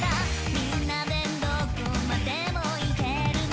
「みんなでどこまでも行けるね」